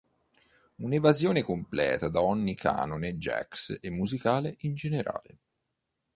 Una evasione completa da ogni canone jazz e musicale in generale.